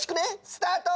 スタート！